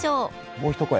もう一声。